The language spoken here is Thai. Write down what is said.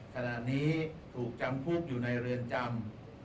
ขณะนี้ถูกจำคุกอยู่ในเรือนจำ